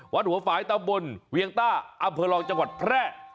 วัดหัวฝ่ายตำบลเวียงต้าอำเภอรองจังหวัดแพร่